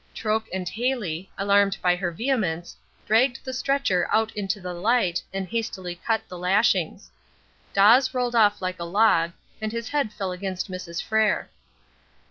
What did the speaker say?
Troke and Hailey, alarmed by her vehemence, dragged the stretcher out into the light, and hastily cut the lashings. Dawes rolled off like a log, and his head fell against Mrs. Frere.